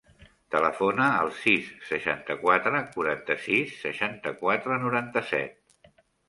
Telefona al sis, seixanta-quatre, quaranta-sis, seixanta-quatre, noranta-set.